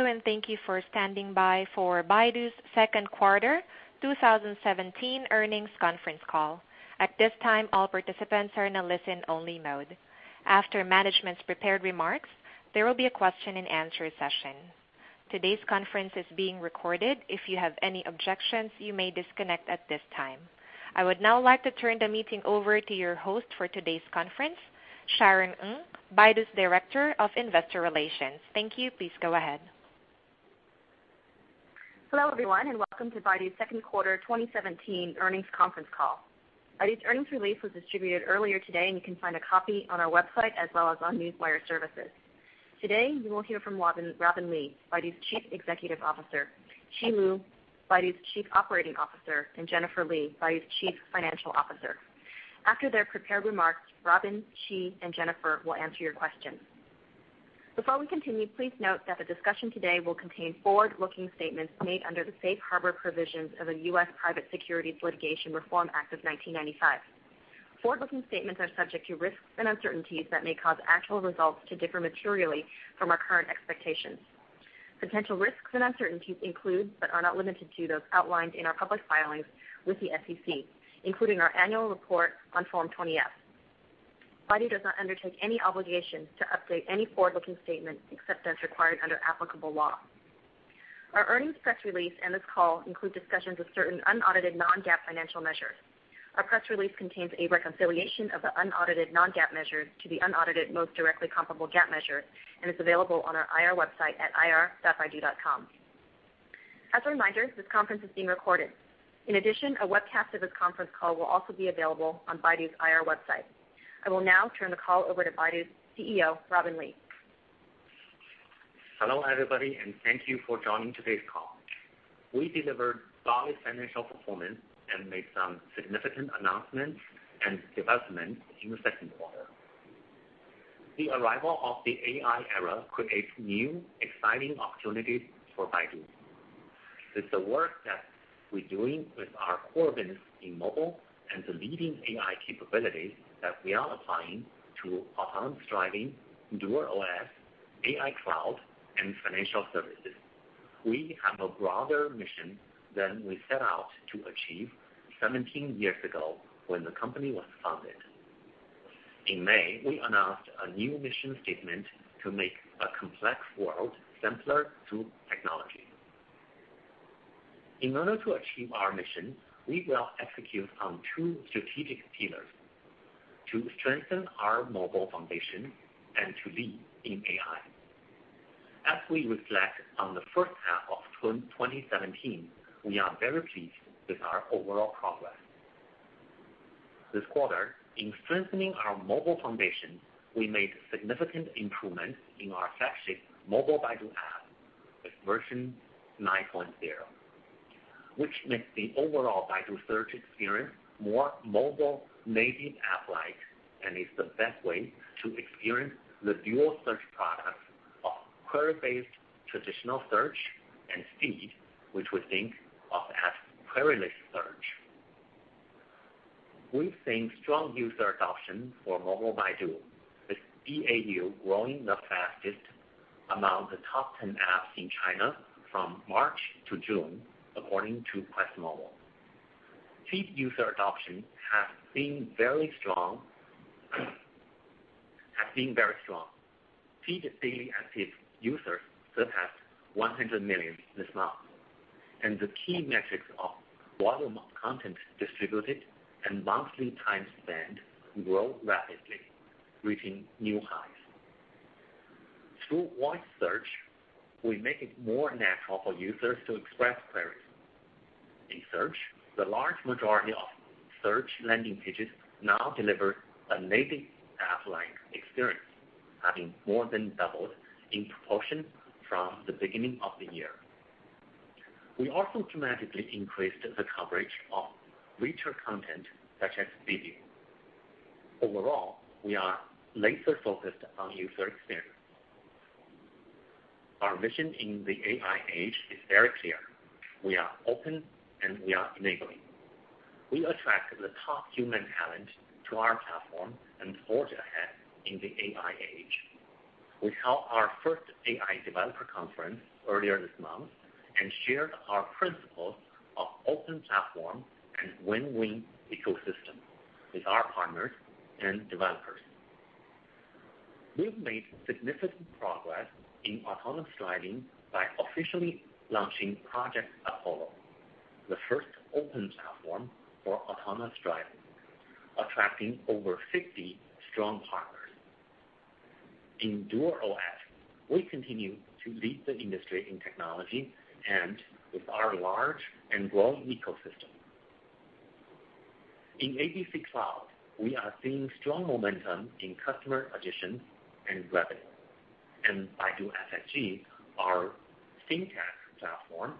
Hello, thank you for standing by for Baidu's second quarter 2017 earnings conference call. At this time, all participants are in a listen-only mode. After management's prepared remarks, there will be a question and answer session. Today's conference is being recorded. If you have any objections, you may disconnect at this time. I would now like to turn the meeting over to your host for today's conference, Sharon Ng, Baidu's Director of Investor Relations. Thank you. Please go ahead. Hello, everyone, welcome to Baidu's second quarter 2017 earnings conference call. Baidu's earnings release was distributed earlier today, you can find a copy on our website as well as on Newswire Services. Today, you will hear from Robin Li, Baidu's Chief Executive Officer; Qi Lu, Baidu's Chief Operating Officer; and Jennifer Li, Baidu's Chief Financial Officer. After their prepared remarks, Robin, Qi, and Jennifer will answer your questions. Before we continue, please note that the discussion today will contain forward-looking statements made under the Safe Harbor Provisions of the U.S. Private Securities Litigation Reform Act of 1995. Forward-looking statements are subject to risks and uncertainties that may cause actual results to differ materially from our current expectations. Potential risks and uncertainties include but are not limited to those outlined in our public filings with the SEC, including our annual report on Form 20-F. Baidu does not undertake any obligations to update any forward-looking statements except as required under applicable law. Our earnings press release and this call include discussions of certain unaudited non-GAAP financial measures. Our press release contains a reconciliation of the unaudited non-GAAP measures to the unaudited most directly comparable GAAP measure and is available on our IR website at ir.baidu.com. As a reminder, this conference is being recorded. A webcast of this conference call will also be available on Baidu's IR website. I will now turn the call over to Baidu's CEO, Robin Li. Hello, everybody, thank you for joining today's call. We delivered solid financial performance and made some significant announcements and developments in the second quarter. The arrival of the AI era creates new, exciting opportunities for Baidu. With the work that we're doing with our core business in mobile and the leading AI capabilities that we are applying to autonomous driving, DuerOS, Baidu AI Cloud, and financial services, we have a broader mission than we set out to achieve 17 years ago when the company was founded. In May, we announced a new mission statement to make a complex world simpler through technology. In order to achieve our mission, we will execute on 2 strategic pillars: to strengthen our mobile foundation and to lead in AI. As we reflect on the first half of 2017, we are very pleased with our overall progress. This quarter, in strengthening our mobile foundation, we made significant improvements in our flagship Mobile Baidu App with version 9.0, which makes the overall Baidu search experience more mobile-native app-like, and is the best way to experience the dual search products of query-based traditional search and feed, which we think of as query-less search. We've seen strong user adoption for Mobile Baidu, with DAU growing the fastest among the top 10 apps in China from March to June, according to QuestMobile. Feed user adoption has been very strong. Feed daily active users surpassed 100 million this month, and the key metrics of volume of content distributed and monthly time spent grow rapidly, reaching new highs. Through voice search, we make it more natural for users to express queries. In search, the large majority of search landing pages now deliver a native app-like experience, having more than doubled in proportion from the beginning of the year. We also dramatically increased the coverage of richer content such as video. Overall, we are laser-focused on user experience. Our mission in the AI age is very clear. We are open, and we are enabling. We attract the top human talent to our platform and forge ahead in the AI age. We held our first AI developer conference earlier this month and shared our principles of open platform and win-win ecosystem with our partners and developers. We've made significant progress in autonomous driving by officially launching Project Apollo, the first open platform for autonomous driving, attracting over 50 strong partners. In DuerOS, we continue to lead the industry in technology and with our large and growing ecosystem. In ABC Cloud, we are seeing strong momentum in customer acquisition and revenue. Baidu FSG, our fintech platform,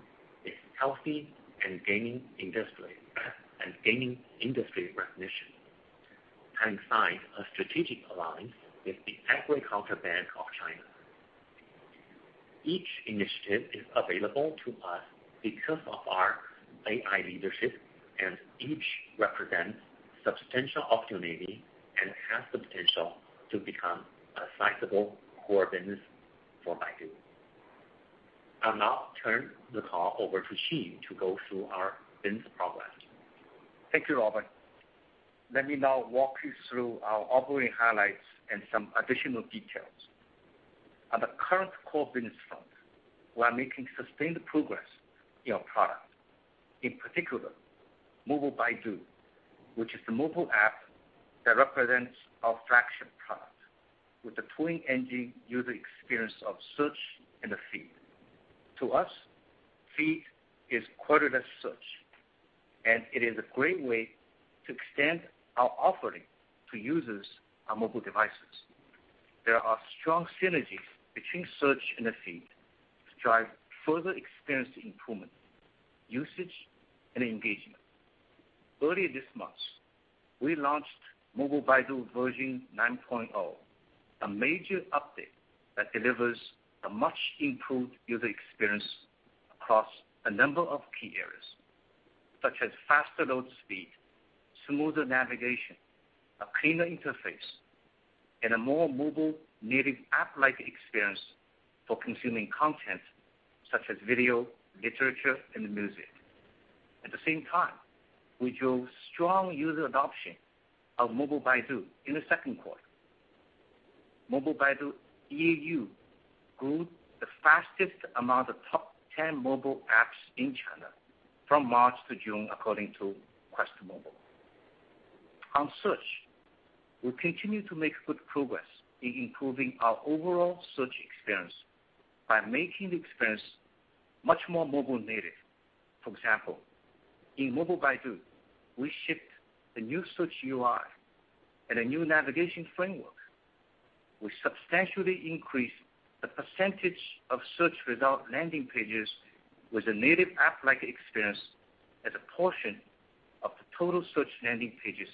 is healthy and gaining industry recognition, having signed a strategic alliance with the Agricultural Bank of China. Each initiative is available to us because of our AI leadership, and each represents substantial opportunity Has the potential to become a sizable core business for Baidu. I'll now turn the call over to Qi Lu to go through our business progress. Thank you, Robin. Let me now walk you through our operating highlights and some additional details. On the current core business front, we are making sustained progress in our product. In particular, Mobile Baidu, which is the mobile app that represents our flagship product with the twin engine user experience of Search and the Feed. To us, Feed is quoted as Search, and it is a great way to extend our offering to users on mobile devices. There are strong synergies between Search and the Feed to drive further experience improvement, usage, and engagement. Early this month, we launched Mobile Baidu version 9.0, a major update that delivers a much-improved user experience across a number of key areas, such as faster load speed, smoother navigation, a cleaner interface, and a more mobile-native app-like experience for consuming content such as video, literature, and music. At the same time, we drove strong user adoption of Mobile Baidu in the second quarter. Mobile Baidu DAU grew the fastest among the top 10 mobile apps in China from March to June, according to QuestMobile. On Search, we continue to make good progress in improving our overall search experience by making the experience much more mobile-native. For example, in Mobile Baidu, we shipped the new search UI and a new navigation framework, which substantially increased the percentage of search result landing pages with a native app-like experience as a portion of the total search landing pages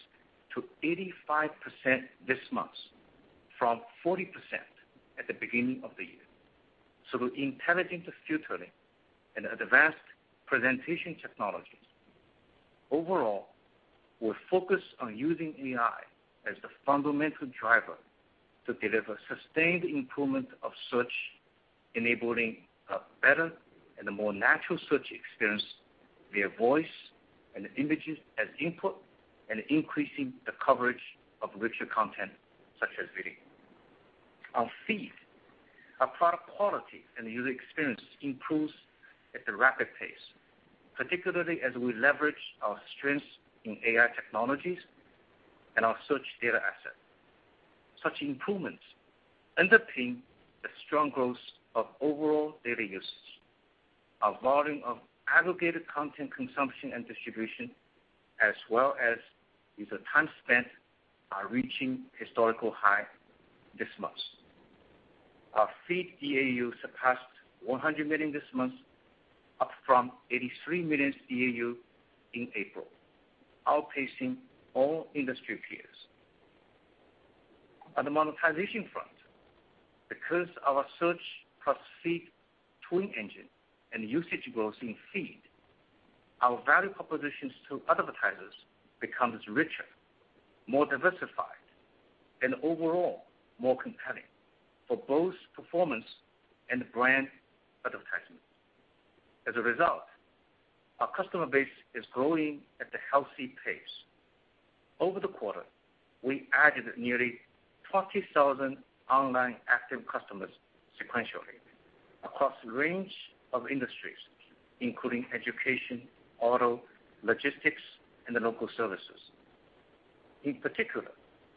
to 85% this month, from 40% at the beginning of the year, through intelligent filtering and advanced presentation technologies. Overall, we're focused on using AI as the fundamental driver to deliver sustained improvement of Search, enabling a better and a more natural search experience via voice and images as input, and increasing the coverage of richer content such as video. On Feed, our product quality and user experience improves at a rapid pace, particularly as we leverage our strengths in AI technologies and our search data asset. Such improvements underpin the strong growth of overall data usage. Our volume of aggregated content consumption and distribution, as well as user time spent, are reaching historical high this month. Our Feed DAU surpassed 100 million this month, up from 83 million DAU in April, outpacing all industry peers. On the monetization front, because our Search plus Feed twin engine and usage growth in Feed, our value propositions to advertisers become richer, more diversified, and overall, more compelling for both performance and brand advertisement. As a result, our customer base is growing at a healthy pace. Over the quarter, we added nearly 20,000 online active customers sequentially across a range of industries, including education, auto, logistics, and local services. In particular,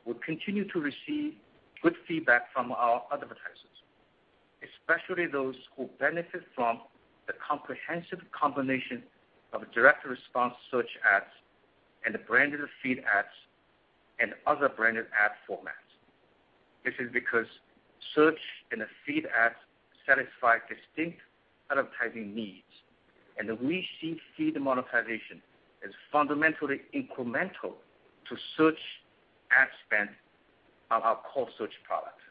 we continue to receive good feedback from our advertisers, especially those who benefit from the comprehensive combination of direct response Search ads and branded Feed ads and other branded ad formats. This is because Search and Feed ads satisfy distinct advertising needs, and we see Feed monetization as fundamentally incremental to search ad spend on our core search product.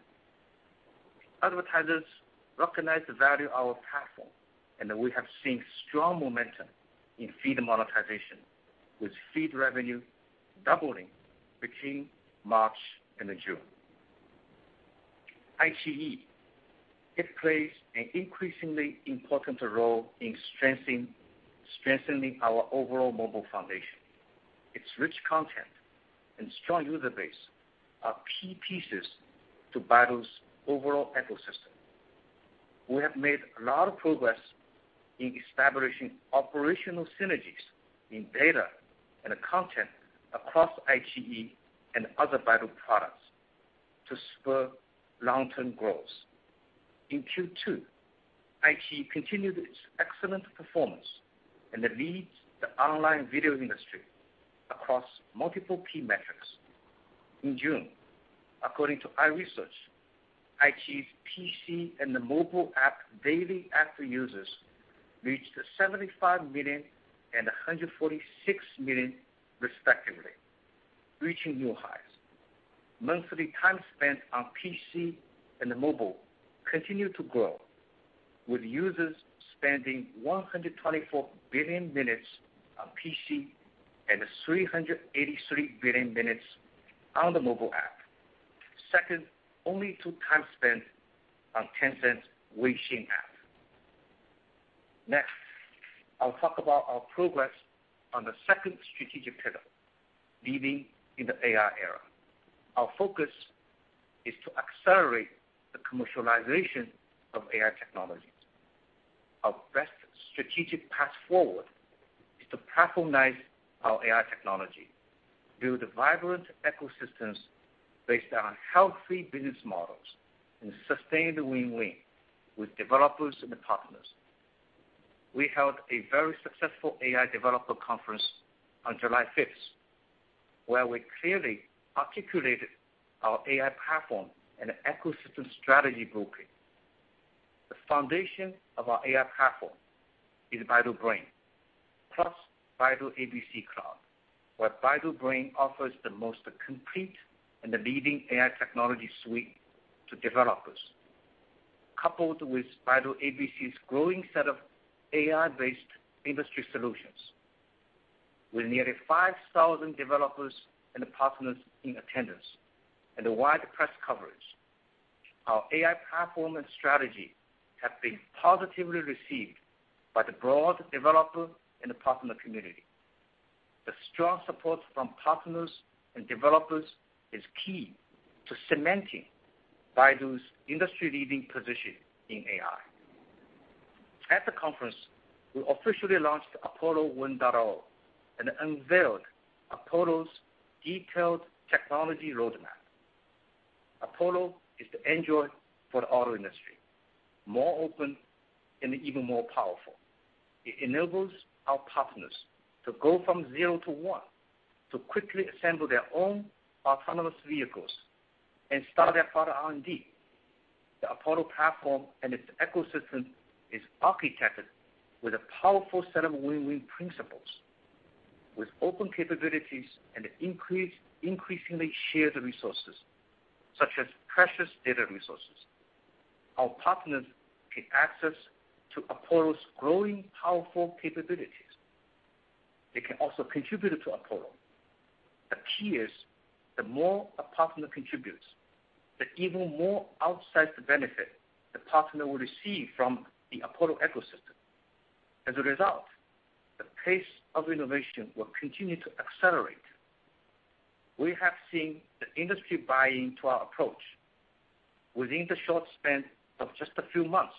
Advertisers recognize the value of our platform, and we have seen strong momentum in Feed monetization, with Feed revenue doubling between March and June. iQIYI. It plays an increasingly important role in strengthening our overall mobile foundation. Its rich content and strong user base are key pieces to Baidu's overall ecosystem. We have made a lot of progress in establishing operational synergies in data and content across iQIYI and other Baidu products to spur long-term growth. In Q2, iQIYI continued its excellent performance and it leads the online video industry across multiple key metrics. In June, according to iResearch, iQIYI's PC and mobile app daily active users reached 75 million and 146 million respectively, reaching new highs. Monthly time spent on PC and mobile continued to grow with users spending 124 billion minutes on PC and 383 billion minutes on the mobile app. Second only to time spent on Tencent's WeChat app. Next, I'll talk about our progress on the second strategic pillar, leading in the AI era. Our focus is to accelerate the commercialization of AI technologies. Our best strategic path forward is to platformize our AI technology, build vibrant ecosystems based on healthy business models, and sustain the win-win with developers and partners. We held a very successful AI developer conference on July 5th, where we clearly articulated our AI platform and ecosystem strategy blueprint. The foundation of our AI platform is Baidu Brain, plus Baidu ABC Cloud, where Baidu Brain offers the most complete and the leading AI technology suite to developers. Coupled with Baidu ABC's growing set of AI-based industry solutions. With nearly 5,000 developers and partners in attendance, and wide press coverage, our AI platform and strategy have been positively received by the broad developer and partner community. The strong support from partners and developers is key to cementing Baidu's industry-leading position in AI. At the conference, we officially launched Apollo 1.0 and unveiled Apollo's detailed technology roadmap. Apollo is the Android for the auto industry, more open and even more powerful. It enables our partners to go from zero to one to quickly assemble their own autonomous vehicles and start their further R&D. The Apollo platform and its ecosystem is architected with a powerful set of win-win principles. With open capabilities and increasingly shared resources, such as precious data resources, our partners get access to Apollo's growing powerful capabilities. They can also contribute to Apollo. The key is, the more a partner contributes, the even more outsized the benefit the partner will receive from the Apollo ecosystem. As a result, the pace of innovation will continue to accelerate. We have seen the industry buy into our approach. Within the short span of just a few months,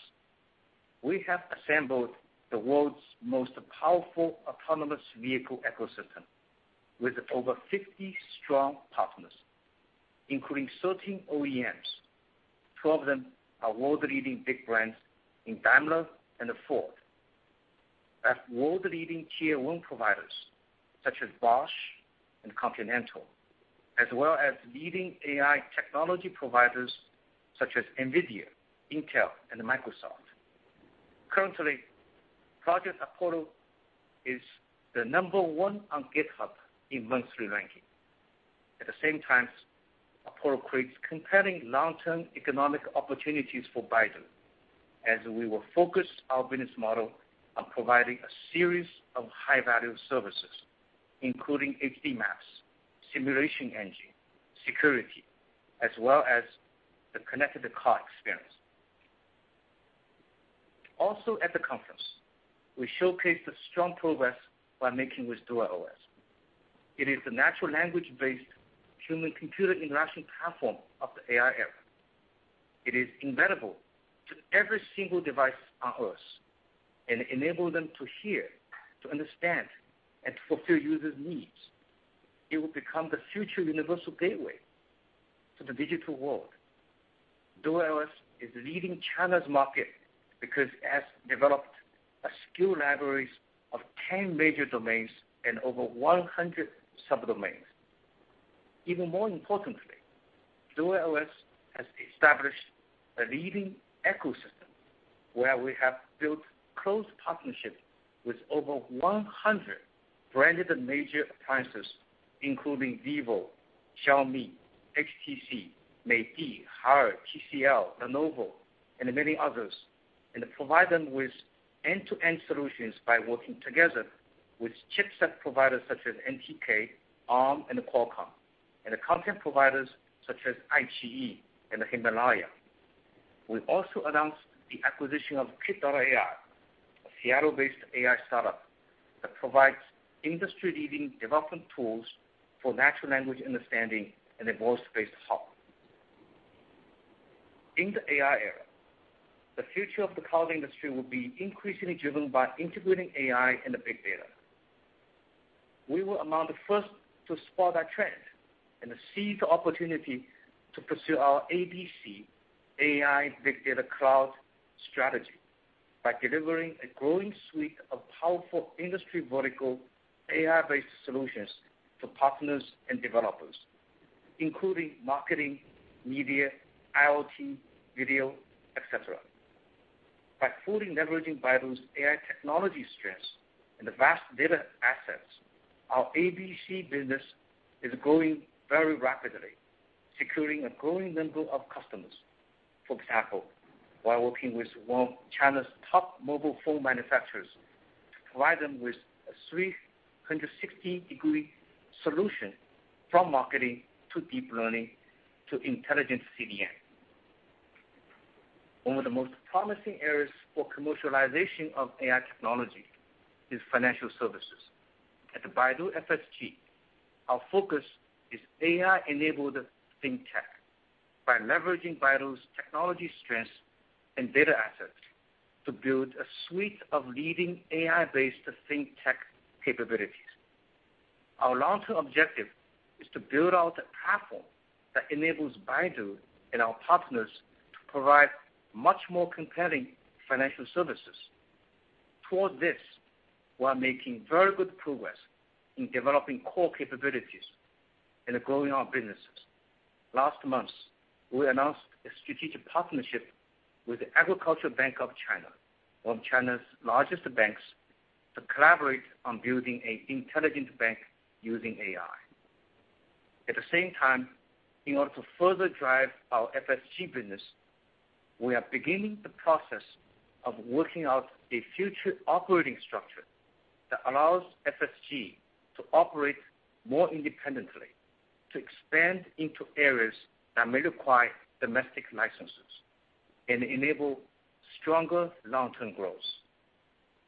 we have assembled the world's most powerful autonomous vehicle ecosystem, with over 50 strong partners, including 13 OEMs, 12 of them are world-leading big brands in Daimler and Ford. As world-leading tier 1 providers such as Bosch and Continental, as well as leading AI technology providers such as Nvidia, Intel, and Microsoft. Currently, Project Apollo is the number 1 on GitHub in monthly ranking. At the same time, Apollo creates compelling long-term economic opportunities for Baidu, as we will focus our business model on providing a series of high-value services, including HD maps, simulation engine, security, as well as the connected car experience. Also at the conference, we showcased the strong progress we're making with DuerOS. It is the natural language-based human-computer interaction platform of the AI era. It is embeddable to every single device on Earth and enable them to hear, to understand, and to fulfill users' needs. It will become the future universal gateway to the digital world. DuerOS is leading China's market because it has developed skill libraries of 10 major domains and over 100 subdomains. Even more importantly, DuerOS has established a leading ecosystem where we have built close partnerships with over 100 branded major appliances, including Vivo, Xiaomi, HTC, Midea, Haier, TCL, Lenovo, and many others, and provide them with end-to-end solutions by working together with chipset providers such as MTK, ARM, and Qualcomm, and content providers such as iQIYI and Himalaya. We also announced the acquisition of Kitt.ai, a Seattle-based AI startup that provides industry-leading development tools for natural language understanding and voice-based hub. In the AI era, the future of the cloud industry will be increasingly driven by integrating AI and big data. We were among the first to spot that trend and seize the opportunity to pursue our ABC, AI Big Data Cloud strategy by delivering a growing suite of powerful industry vertical AI-based solutions to partners and developers, including marketing, media, IoT, video, et cetera. By fully leveraging Baidu's AI technology strengths and the vast data assets, our ABC business is growing very rapidly, securing a growing number of customers. For example, we're working with one of China's top mobile phone manufacturers to provide them with a 360-degree solution, from marketing to deep learning to intelligent CDN. One of the most promising areas for commercialization of AI technology is financial services. At Baidu FSG, our focus is AI-enabled fintech, by leveraging Baidu's technology strengths and data assets to build a suite of leading AI-based fintech capabilities. Our long-term objective is to build out a platform that enables Baidu and our partners to provide much more compelling financial services. Toward this, we are making very good progress in developing core capabilities and growing our businesses. Last month, we announced a strategic partnership with the Agricultural Bank of China, one of China's largest banks, to collaborate on building an intelligent bank using AI. At the same time, in order to further drive our FSG business, we are beginning the process of working out a future operating structure that allows FSG to operate more independently, to expand into areas that may require domestic licenses, and enable stronger long-term growth.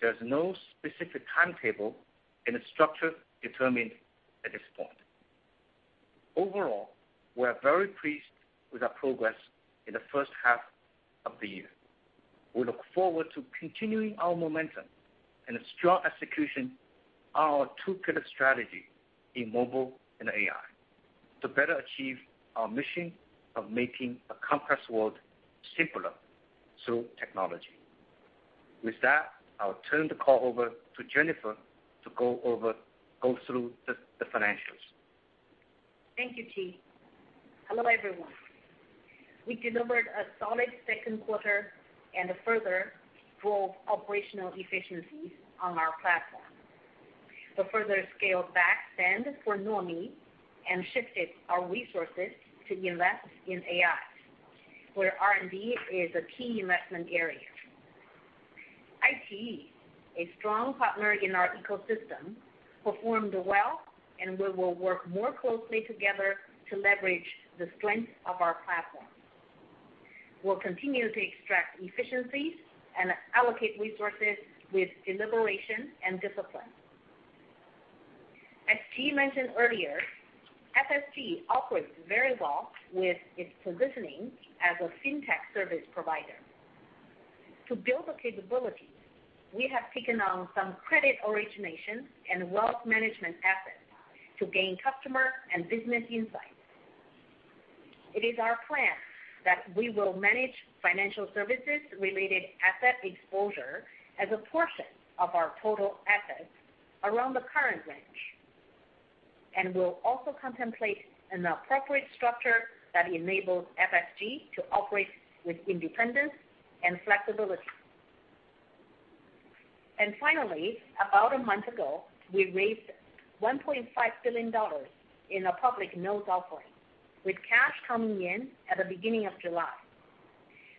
There's no specific timetable in the structure determined at this point. Overall, we are very pleased with our progress in the first half of the year. We look forward to continuing our momentum and the strong execution of our two-pillar strategy in mobile and AI to better achieve our mission of making a complex world simpler through technology. With that, I'll turn the call over to Jennifer to go through the financials. Thank you, Qi. Hello, everyone. We delivered a solid second quarter and further drove operational efficiencies on our platform. We further scaled back spend for Nuomi and shifted our resources to invest in AI, where R&D is a key investment area. iQIYI, a strong partner in our ecosystem, performed well, and we will work more closely together to leverage the strength of our platform. We'll continue to extract efficiencies and allocate resources with deliberation and discipline. As Qi mentioned earlier, FSG operates very well with its positioning as a fintech service provider. To build the capabilities, we have taken on some credit origination and wealth management assets to gain customer and business insights. It is our plan that we will manage financial services related asset exposure as a portion of our total assets around the current range. We'll also contemplate an appropriate structure that enables FSG to operate with independence and flexibility. Finally, about a month ago, we raised $1.5 billion in a public notes offering, with cash coming in at the beginning of July.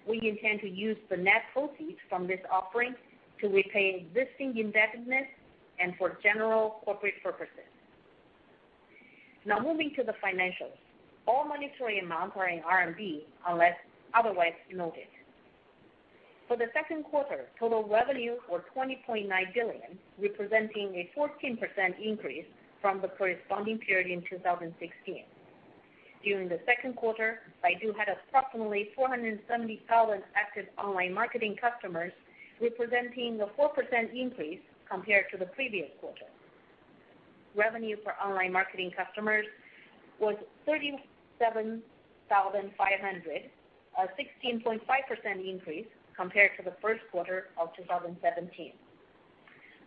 We intend to use the net proceeds from this offering to repay existing indebtedness and for general corporate purposes. Moving to the financials. All monetary amounts are in RMB unless otherwise noted. For the second quarter, total revenues were 20.9 billion, representing a 14% increase from the corresponding period in 2016. During the second quarter, Baidu had approximately 470,000 active online marketing customers, representing a 4% increase compared to the previous quarter. Revenue for online marketing customers was 37,500, a 16.5% increase compared to the first quarter of 2017.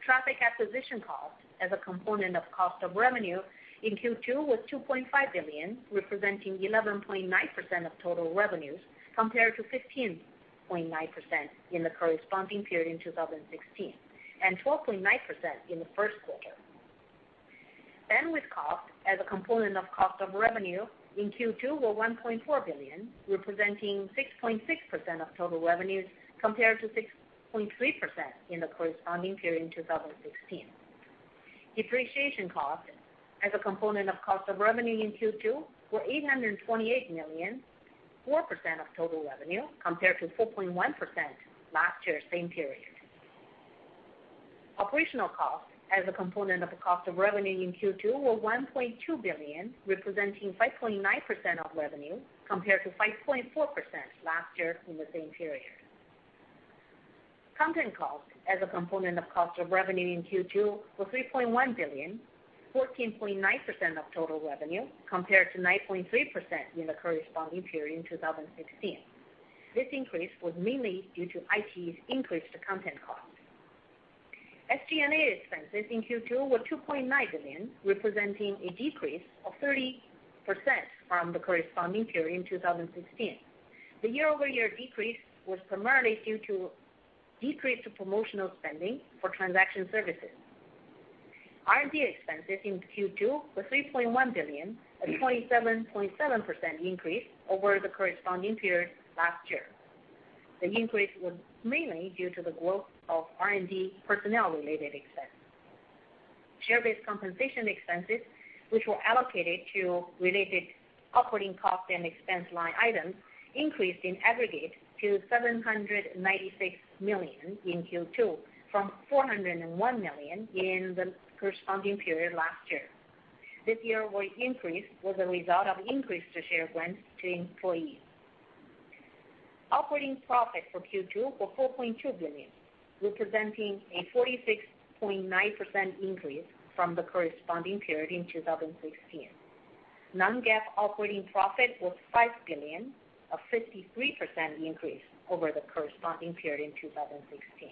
Traffic acquisition cost as a component of cost of revenue in Q2 was 2.5 billion, representing 11.9% of total revenues, compared to 15.9% in the corresponding period in 2016, and 12.9% in the first quarter. Bandwidth cost as a component of cost of revenue in Q2 were 1.4 billion, representing 6.6% of total revenues, compared to 6.3% in the corresponding period in 2016. Depreciation cost as a component of cost of revenue in Q2 were 828 million, 4% of total revenue, compared to 4.1% last year, same period. Operational cost as a component of cost of revenue in Q2 were 1.2 billion, representing 5.9% of revenue, compared to 5.4% last year in the same period. Content cost as a component of cost of revenue in Q2 was 3.1 billion, 14.9% of total revenue, compared to 9.3% in the corresponding period in 2016. This increase was mainly due to iQIYI's increased content cost. SG&A expenses in Q2 were 2.9 billion, representing a decrease of 30% from the corresponding period in 2016. The year-over-year decrease was primarily due to Decrease to promotional spending for transaction services. R&D expenses in Q2 were 3.1 billion, a 27.7% increase over the corresponding period last year. The increase was mainly due to the growth of R&D personnel-related expenses. Share-based compensation expenses, which were allocated to related operating costs and expense line items, increased in aggregate to 796 million in Q2 from 401 million in the corresponding period last year. This year, our increase was a result of increased share grants to employees. Operating profit for Q2 was 4.2 billion, representing a 46.9% increase from the corresponding period in 2016. Non-GAAP operating profit was 5 billion, a 53% increase over the corresponding period in 2016.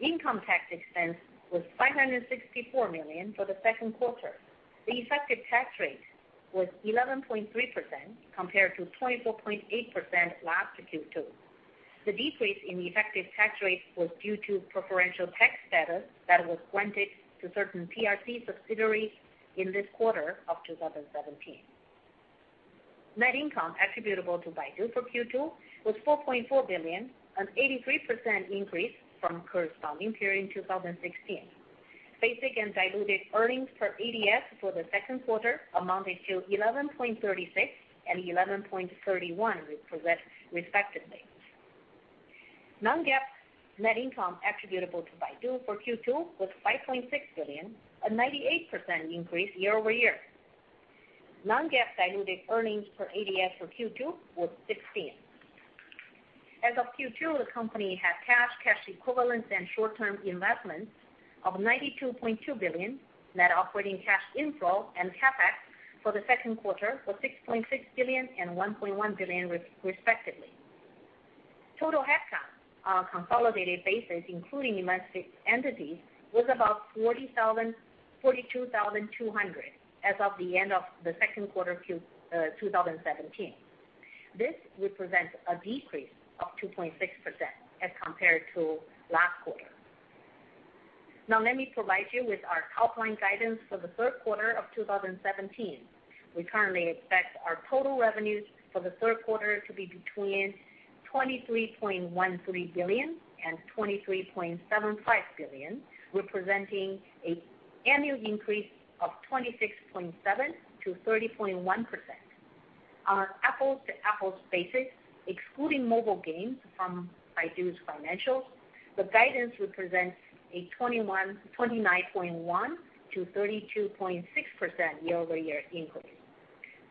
Income tax expense was 564 million for the second quarter. The effective tax rate was 11.3% compared to 24.8% last Q2. The decrease in the effective tax rate was due to preferential tax status that was granted to certain PRC subsidiaries in this quarter of 2017. Net income attributable to Baidu for Q2 was 4.4 billion, an 83% increase from the corresponding period in 2016. Basic and diluted earnings per ADS for the second quarter amounted to 11.36 and 11.31, respectively. Non-GAAP net income attributable to Baidu for Q2 was 5.4 billion, a 98% increase year-over-year. Non-GAAP diluted earnings per ADS for Q2 were 16. As of Q2, the company had cash equivalents, and short-term investments of 92.2 billion. Net operating cash inflow and CapEx for the second quarter were 6.6 billion and 1.1 billion, respectively. Total headcount on a consolidated basis, including domestic entities, was about 42,200 as of the end of the second quarter of 2017. This represents a decrease of 2.6% as compared to last quarter. Let me provide you with our top-line guidance for the third quarter of 2017. We currently expect our total revenues for the third quarter to be between 23.13 billion and 23.75 billion, representing an annual increase of 26.7%-30.1%. On an apples-to-apples basis, excluding mobile games from Baidu's financials, the guidance represents a 29.1%-32.6% year-over-year increase.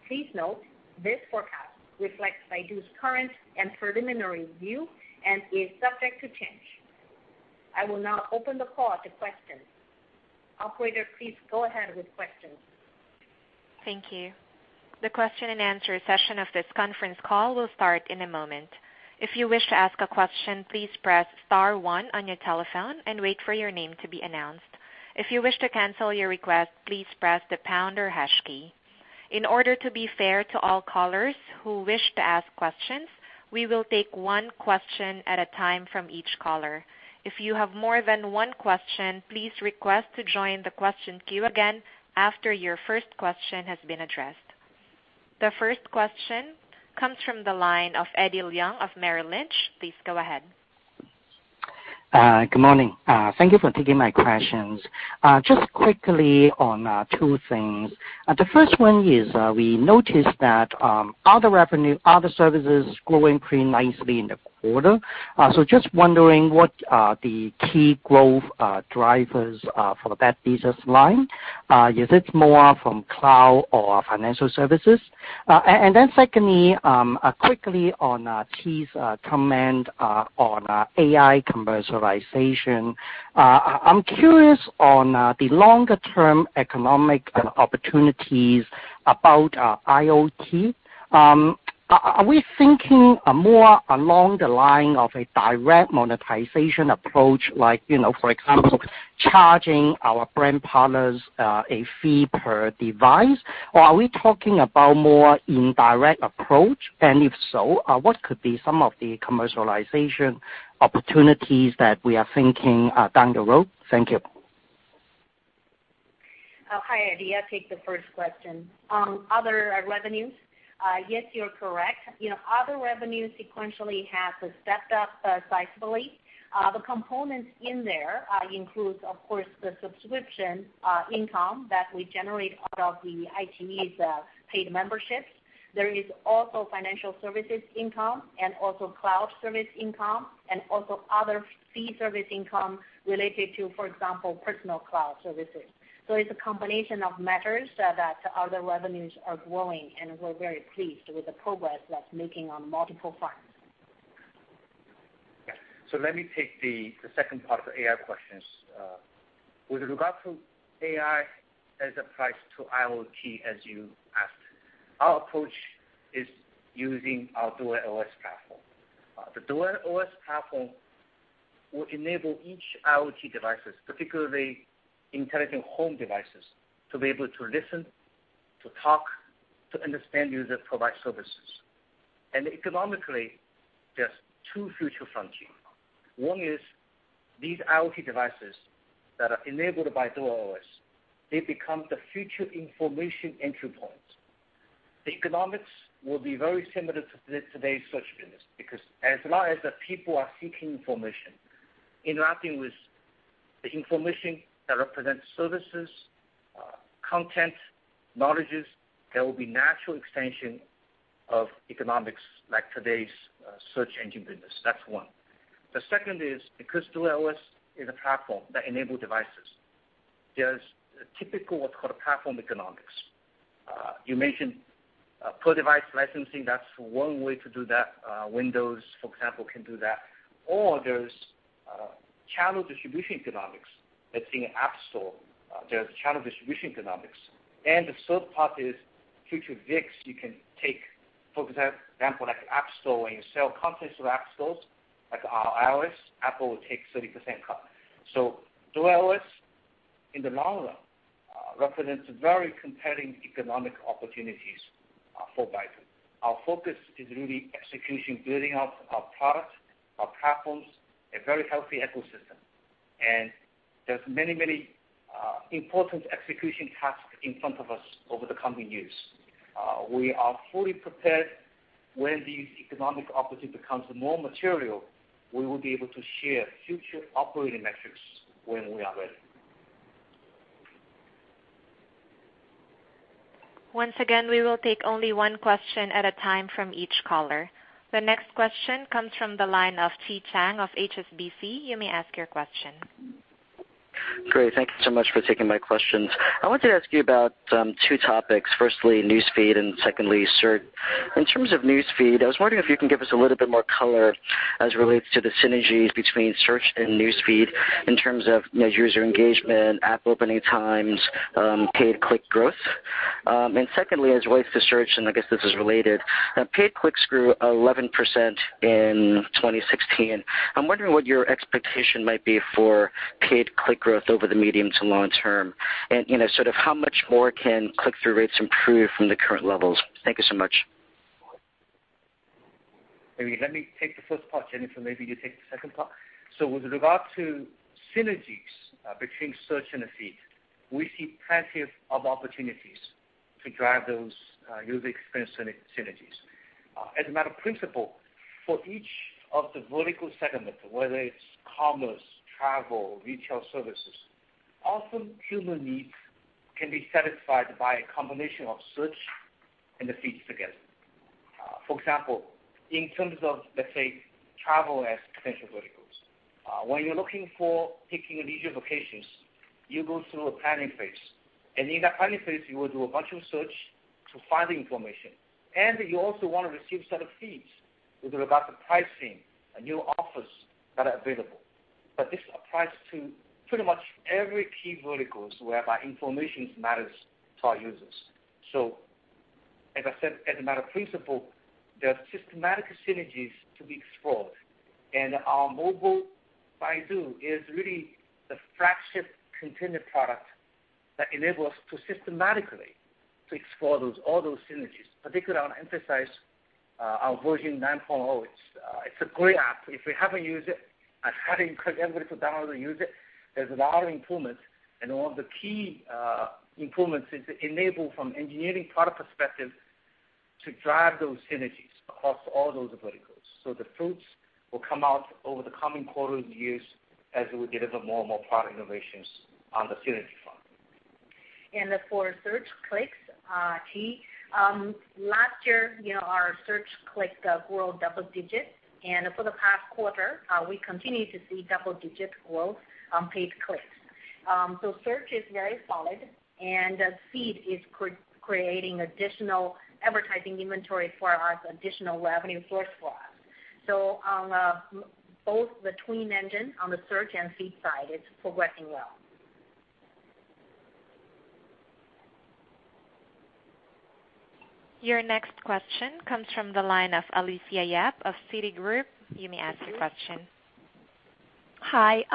Please note, this forecast reflects Baidu's current and preliminary view and is subject to change. I will now open the call to questions. Operator, please go ahead with questions. Thank you. The question and answer session of this conference call will start in a moment. If you wish to ask a question, please press star one on your telephone and wait for your name to be announced. If you wish to cancel your request, please press the pound or hash key. In order to be fair to all callers who wish to ask questions, we will take one question at a time from each caller. If you have more than one question, please request to join the question queue again after your first question has been addressed. The first question comes from the line of Eddie Leung of Merrill Lynch. Please go ahead. Good morning. Thank you for taking my questions. Just quickly on two things. The first one is we noticed that other services is growing pretty nicely in the quarter. Just wondering what are the key growth drivers are for that business line. Is it more from cloud or financial services? Secondly, quickly on Qi's comment on AI commercialization. I'm curious on the longer-term economic opportunities about IoT. Are we thinking more along the line of a direct monetization approach like, for example, charging our brand partners a fee per device? Are we talking about more indirect approach? If so, what could be some of the commercialization opportunities that we are thinking down the road? Thank you. Hi, Eddie. I'll take the first question. Other revenues, yes, you're correct. Other revenues sequentially have stepped up sizably. The components in there include, of course, the subscription income that we generate out of the iQIYI's paid memberships. There is also financial services income and also cloud service income, and also other fee service income related to, for example, personal cloud services. It's a combination of matters that other revenues are growing, and we're very pleased with the progress that's making on multiple fronts. Let me take the second part of the AI questions. With regard to AI as applied to IoT as you asked, our approach is using our DuerOS platform. The DuerOS platform will enable each IoT devices, particularly intelligent home devices, to be able to listen to talk, to understand user, provide services. Economically, there's two future frontier. One is these IoT devices that are enabled by DuerOS, they become the future information entry points. The economics will be very similar to today's search business, because as long as the people are seeking information, interacting with the information that represents services, content, knowledges, there will be natural extension of economics like today's search engine business. That's one. The second is, because DuerOS is a platform that enable devices, there's a typical what called platform economics. You mentioned per device licensing, that's one way to do that. Windows, for example, can do that. There's channel distribution economics. Let's say an App Store, there's channel distribution economics. The third part is future VIX, you can take, for example, like App Store, when you sell contents to App Stores, like iOS, Apple will take 30% cut. DuerOS, in the long run, represents very compelling economic opportunities for Baidu. Our focus is really execution, building out our product, our platforms, a very healthy ecosystem. There's many, many important execution tasks in front of us over the coming years. We are fully prepared when these economic opportunity becomes more material, we will be able to share future operating metrics when we are ready. Once again, we will take only one question at a time from each caller. The next question comes from the line of Chi Tsang of HSBC. You may ask your question. Great. Thank you so much for taking my questions. I wanted to ask you about two topics, firstly, News Feed and secondly, Search. In terms of News Feed, I was wondering if you can give us a little bit more color as it relates to the synergies between Search and News Feed in terms of user engagement, app opening times, paid click growth. Secondly, as relates to Search, and I guess this is related, paid clicks grew 11% in 2016. I'm wondering what your expectation might be for paid click growth over the medium to long term, and sort of how much more can click-through rates improve from the current levels? Thank you so much. Maybe let me take the first part, Jennifer, maybe you take the second part. With regard to synergies between Search and the Feed, we see plenty of opportunities to drive those user experience synergies. As a matter of principle, for each of the vertical segments, whether it's commerce, travel, retail services, often human needs can be satisfied by a combination of Search and the Feed together. For example, in terms of, let's say, travel as potential verticals. When you're looking for picking a leisure vacations, you go through a planning phase. In that planning phase, you will do a bunch of search to find the information. You also want to receive set of feeds with regard to pricing and new offers that are available. This applies to pretty much every key verticals whereby informations matters to our users. As I said, as a matter of principle, there are systematic synergies to be explored. Our Mobile Baidu is really the flagship container product that enable us to systematically to explore all those synergies. Particularly I want to emphasize our version 9.0. It's a great app. If you haven't used it, I highly encourage everybody to download and use it. There's a lot of improvements and all of the key improvements is to enable from engineering product perspective to drive those synergies across all those verticals. The fruits will come out over the coming quarters and years as we deliver more and more product innovations on the synergy front. For search clicks, Qi, last year, our search clicks grew double digits, and for the past quarter, we continue to see double-digit growth on paid clicks. Search is very solid, and Feed is creating additional advertising inventory for us, additional revenue source for us. On both the twin engine on the Search and Feed side, it's progressing well. Your next question comes from the line of Alicia Yap of Citigroup. You may ask your question. Hi.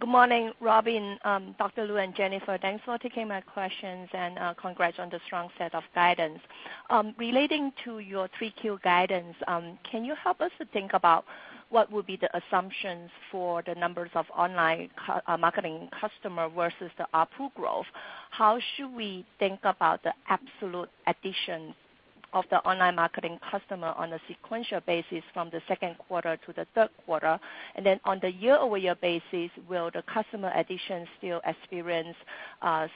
Good morning, Robin, Dr. Lu, and Jennifer. Thanks for taking my questions and congrats on the strong set of guidance. Relating to your 3Q guidance, can you help us to think about what would be the assumptions for the numbers of online marketing customer versus the ARPU growth? How should we think about the absolute addition of the online marketing customer on a sequential basis from the second quarter to the third quarter? On the year-over-year basis, will the customer addition still experience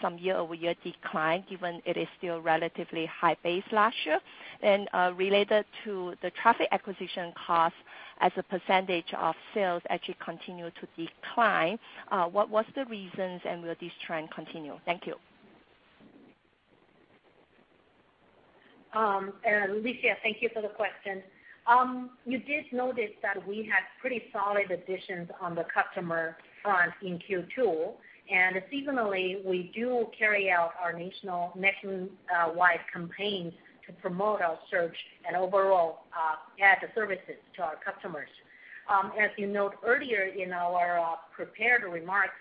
some year-over-year decline, given it is still relatively high base last year? Related to the Traffic Acquisition Cost as a percentage of sales actually continue to decline, what are the reasons and will this trend continue? Thank you. Alicia, thank you for the question. You did notice that we had pretty solid additions on the customer front in Q2, and seasonally, we do carry out our national nationwide campaigns to promote our search and overall add the services to our customers. As you note earlier in our prepared remarks,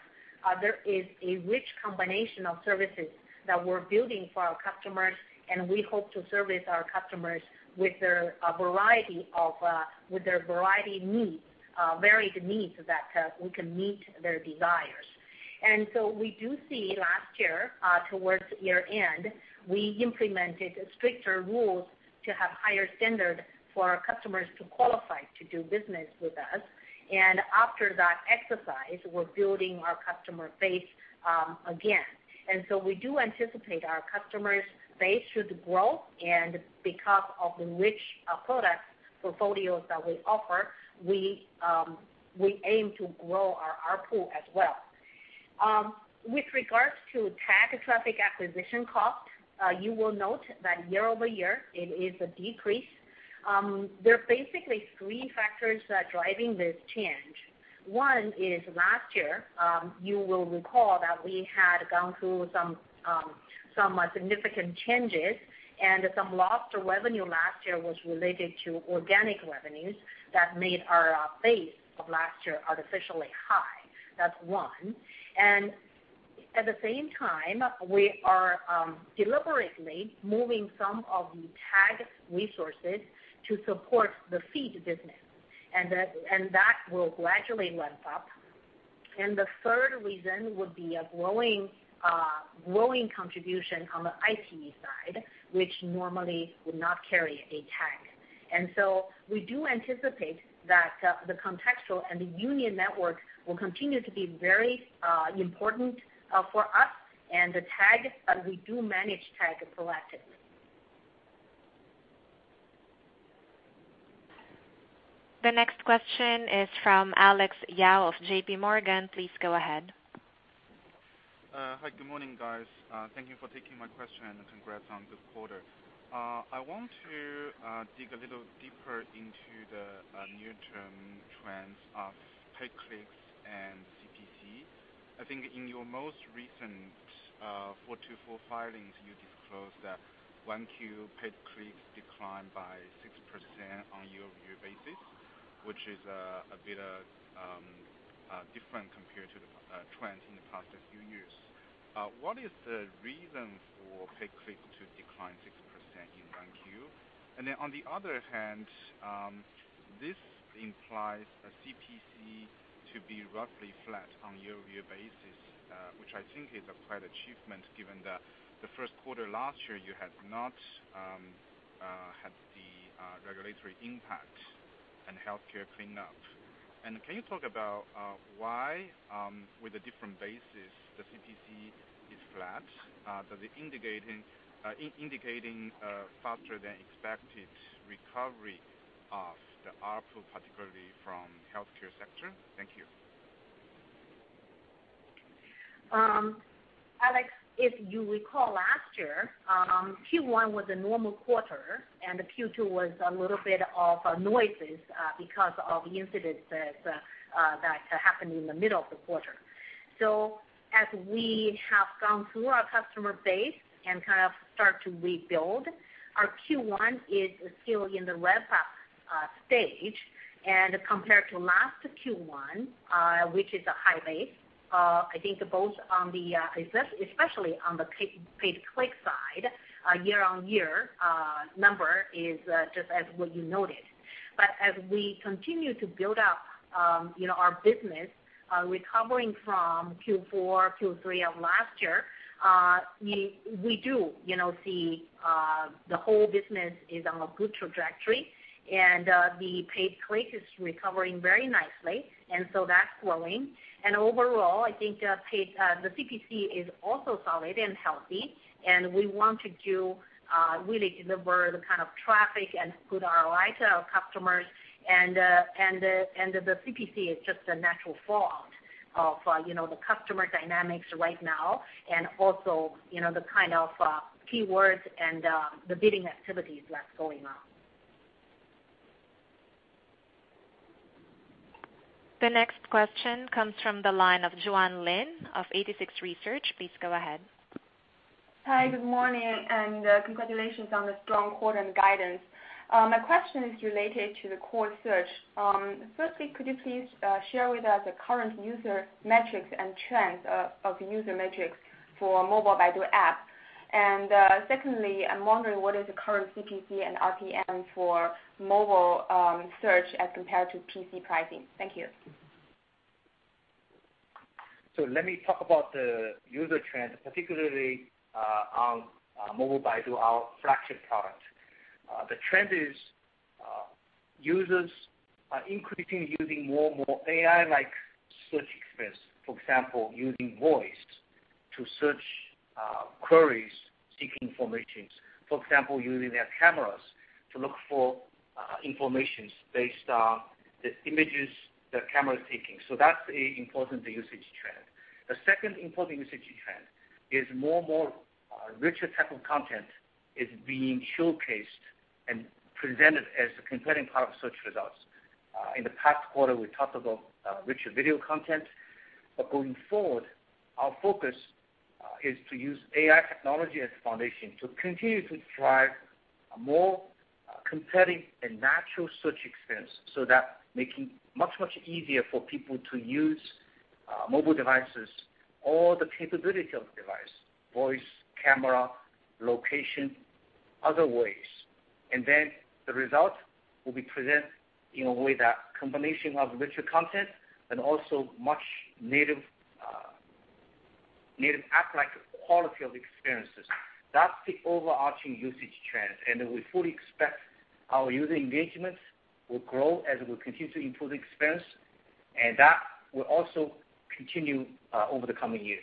there is a rich combination of services that we're building for our customers, and we hope to service our customers with their varied needs that we can meet their desires. We do see last year, towards year-end, we implemented stricter rules to have higher standard for our customers to qualify to do business with us. After that exercise, we're building our customer base again. We do anticipate our customers base should grow, and because of the rich product portfolios that we offer, we aim to grow our ARPU as well. With regards to TAC Traffic Acquisition Cost, you will note that year-over-year, it is a decrease. There are basically three factors that are driving this change. One is last year, you will recall that we had gone through some significant changes, and some lost revenue last year was related to organic revenues that made our base of last year artificially high. That's one. At the same time, we are deliberately moving some of the TAC resources to support the feed business. That will gradually ramp up. The third reason would be a growing contribution on the IoT side, which normally would not carry a TAC. We do anticipate that the contextual and the union network will continue to be very important for us and the TAC, but we do manage TAC proactively. The next question is from Alex Yao of JPMorgan. Please go ahead. Hi. Good morning, guys. Thank you for taking my question. Congrats on good quarter. I want to dig a little deeper into the near-term trends of paid clicks and CPC. I think in your most recent 6-K filings, you disclosed that 1Q paid clicks declined by 6% on year-over-year basis, which is a bit different compared to the trend in the past few years. What is the reason for paid click to decline 6% in 1Q? On the other hand, this implies a CPC to be roughly flat on year-over-year basis, which I think is quite achievement given that the first quarter last year, you had not had the regulatory impact and healthcare cleanup. Can you talk about why, with a different basis, the CPC is flat? Does it indicating faster than expected recovery of the ARPU, particularly from healthcare sector? Thank you. Alex, if you recall last year, Q1 was a normal quarter, and the Q2 was a little bit of noises because of incidents that happened in the middle of the quarter. As we have gone through our customer base and kind of start to rebuild, our Q1 is still in the ramp-up stage and compared to last Q1, which is a high base, I think especially on the paid click side, year-on-year number is just as what you noted. As we continue to build up our business, recovering from Q4, Q3 of last year, we do see the whole business is on a good trajectory, and the paid click is recovering very nicely, and so that's growing. Overall, I think the CPC is also solid and healthy, and we want to really deliver the kind of traffic and [put our light] to our customers, and the CPC is just a natural result of the customer dynamics right now and also the kind of keywords and the bidding activities that's going on. The next question comes from the line of Juan Lin of 86Research. Please go ahead. Hi, good morning. Congratulations on the strong quarter and guidance. My question is related to the core search. Firstly, could you please share with us the current user metrics and trends of user metrics for Baidu App? Secondly, I'm wondering what is the current CPC and RPM for mobile search as compared to PC pricing? Thank you. Let me talk about the user trends, particularly on Baidu App, our flagship product. The trend is users are increasingly using more AI-like search experience. For example, using voice to search queries, seeking information. For example, using their cameras to look for information based on the images the camera is taking. That's an important usage trend. The second important usage trend is more richer type of content is being showcased and presented as a compelling part of search results. In the past quarter, we talked about richer video content, going forward, our focus is to use AI technology as a foundation to continue to drive a more compelling and natural search experience so that making much easier for people to use mobile devices or the capability of the device, voice, camera, location, other ways. The result will be presented in a way that combination of richer content and also much native app-like quality of experiences. That's the overarching usage trend, we fully expect our user engagements will grow as we continue to improve the experience, that will also continue over the coming years.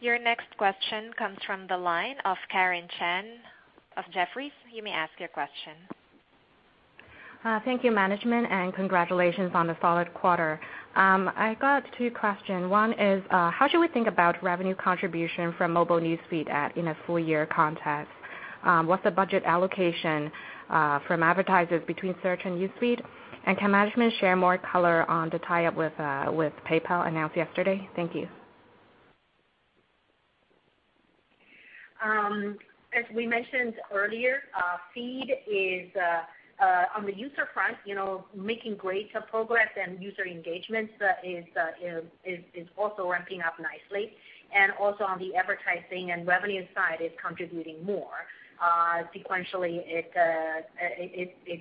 Your next question comes from the line of Karen Chan of Jefferies. You may ask your question. Thank you management, and congratulations on the solid quarter. I got two question. One is, how should we think about revenue contribution from mobile news feed ad in a full year context? What's the budget allocation from advertisers between search and news feed? Can management share more color on the tie-up with PayPal announced yesterday? Thank you. As we mentioned earlier, feed is, on the user front, making great progress and user engagements is also ramping up nicely. Also on the advertising and revenue side is contributing more. Sequentially, it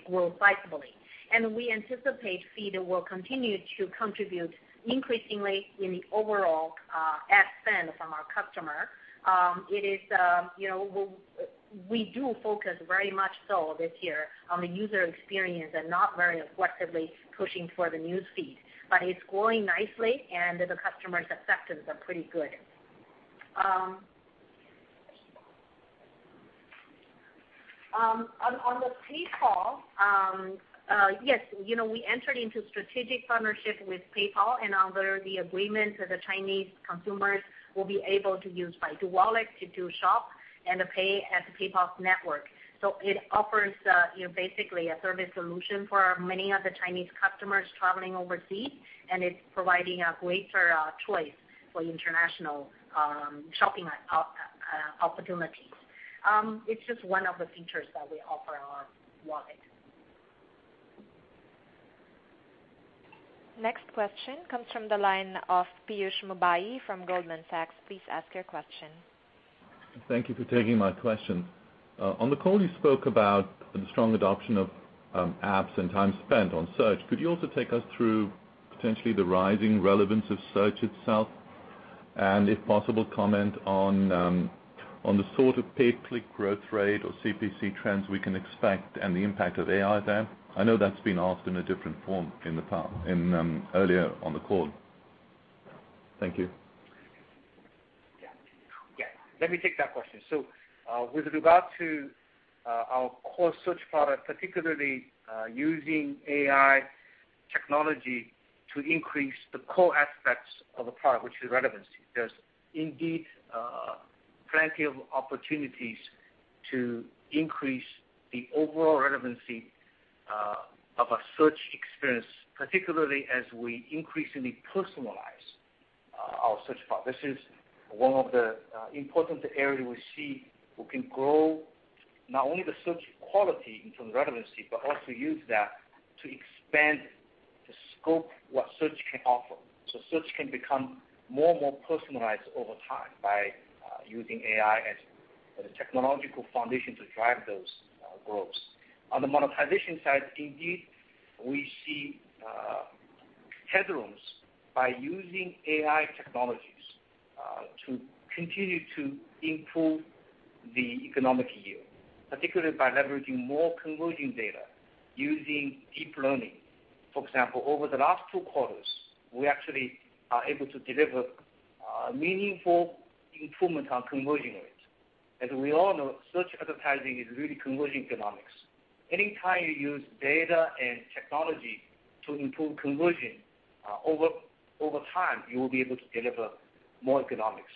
grew visibly. We anticipate feed will continue to contribute increasingly in the overall ad spend from our customer. We do focus very much so this year on the user experience and not very aggressively pushing for the news feed, but it's growing nicely, and the customer's acceptance are pretty good. On the PayPal, yes, we entered into strategic partnership with PayPal, and under the agreement the Chinese consumers will be able to use Baidu Wallet to do shop and to pay at the PayPal's network. It offers basically a service solution for many of the Chinese customers traveling overseas, and it's providing a greater choice for international shopping opportunities. It's just one of the features that we offer on wallet. Next question comes from the line of Piyush Mubayi from Goldman Sachs. Please ask your question. Thank you for taking my question. On the call you spoke about the strong adoption of apps and time spent on search. Could you also take us through potentially the rising relevance of search itself? If possible, comment on the sort of pay-per-click growth rate or CPC trends we can expect and the impact of AI there. I know that's been asked in a different form earlier on the call. Thank you. Yeah. Let me take that question. With regard to our core search product, particularly using AI technology to increase the core aspects of the product, which is relevancy. There's indeed plenty of opportunities to increase the overall relevancy of a search experience, particularly as we increasingly personalize our search product. This is one of the important area we see we can grow not only the search quality in terms of relevancy, but also use that to expand the scope what search can offer. Search can become more personalized over time by using AI as the technological foundation to drive those growths. On the monetization side, indeed, we see headrooms by using AI technologies to continue to improve the economic yield, particularly by leveraging more conversion data, using deep learning. For example, over the last two quarters, we actually are able to deliver meaningful improvement on conversion rates. As we all know, search advertising is really conversion economics. Any time you use data and technology to improve conversion, over time you will be able to deliver more economics.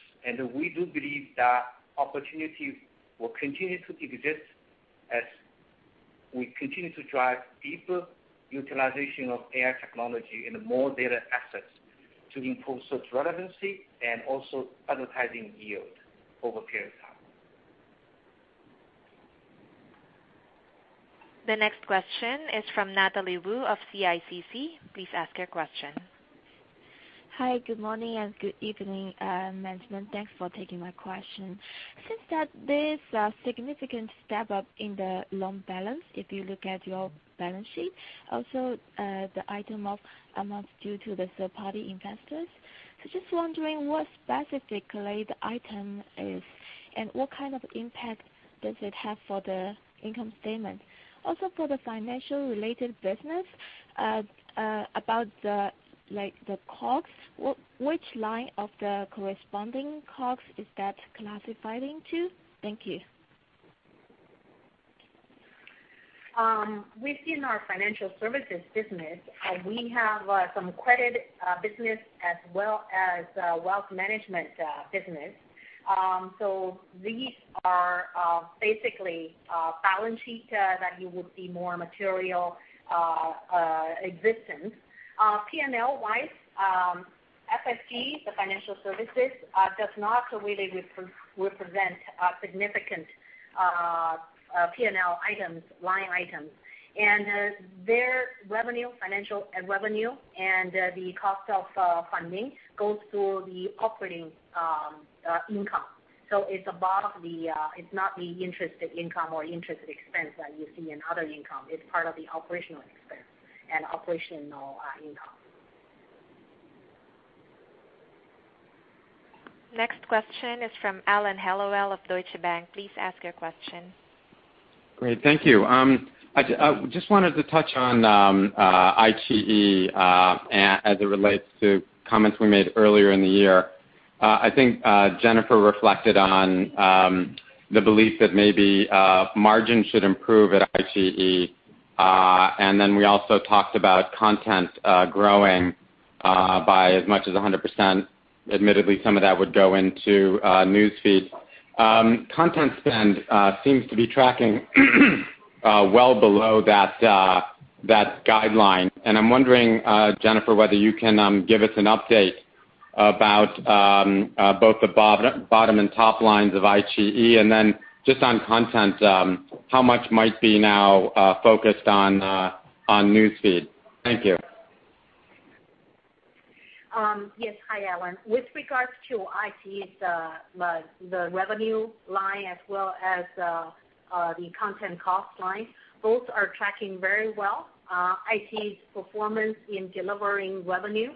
We do believe that opportunities will continue to exist as we continue to drive deeper utilization of AI technology and more data assets to improve search relevancy and also advertising yield over a period of time. The next question is from Natalie Wu of CICC. Please ask your question. Hi. Good morning and good evening, management. Thanks for taking my question. Since that there is a significant step up in the loan balance, if you look at your balance sheet, also, the item of amounts due to the third-party investors. Just wondering what specifically the item is and what kind of impact does it have for the income statement. Also, for the financial-related business, about the COGS, which line of the corresponding COGS is that classifying to? Thank you. We've seen our financial services business. We have some credit business as well as wealth management business. These are basically balance sheet that you would see more material existence. P&L wise, FSG, the financial services, does not really represent significant P&L line items. Their financial revenue and the cost of funding goes to the operating income. It's not the interest income or interest expense that you see in other income. It's part of the operational expense and operational income. Next question is from Alan Hellawell of Deutsche Bank. Please ask your question. Great. Thank you. I just wanted to touch on iQIYI as it relates to comments we made earlier in the year. I think Jennifer Li reflected on the belief that maybe margins should improve at iQIYI. We also talked about content growing by as much as 100%. Admittedly, some of that would go into Newsfeed. Content spend seems to be tracking well below that guideline. I am wondering, Jennifer Li, whether you can give us an update about both the bottom and top lines of iQIYI, then just on content, how much might be now focused on Newsfeed? Thank you. Yes. Hi, Alan Hellawell. With regards to iQIYI, the revenue line as well as the content cost line, both are tracking very well. iQIYI's performance in delivering revenue,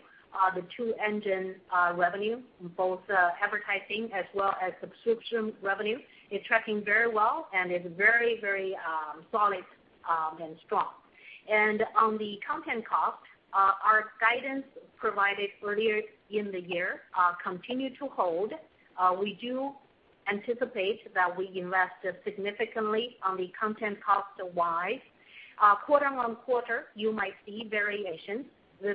the two engine revenue, both advertising as well as subscription revenue, is tracking very well and is very solid and strong. On the content cost, our guidance provided earlier in the year continue to hold. We do anticipate that we invested significantly on the content cost side. Quarter-on-quarter, you might see variations